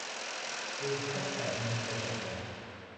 ดูท็อปแท็กเมืองไทยประกอบ